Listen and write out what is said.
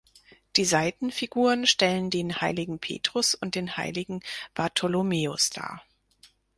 Die Seitenfiguren stellen den heiligen Petrus und den heiligen Bartholomäus dar.